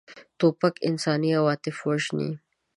توپک انساني عواطف وژني.